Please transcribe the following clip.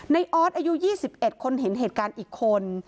ออสอายุ๒๑คนเห็นเหตุการณ์อีกคน